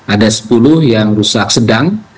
ada sepuluh yang rusak sedang